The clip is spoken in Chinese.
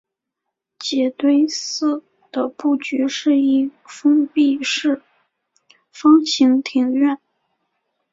杰堆寺的布局是一封闭式方形庭院。